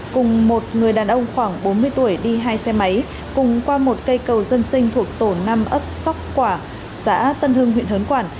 cùng một người đàn ông khoảng bốn mươi tuổi đi hai xe máy cùng qua một cây cầu dân sinh thuộc tổ năm ấp sóc quả xã tân hưng huyện hớn quản